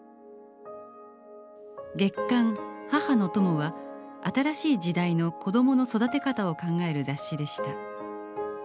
月刊「母の友」は新しい時代の子どもの育て方を考える雑誌でした。